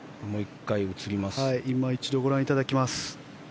いま一度ご覧いただきます。